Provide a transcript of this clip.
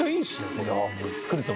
これ。